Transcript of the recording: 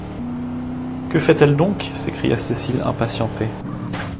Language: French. Que fait-elle donc? s’écria Cécile, impatientée.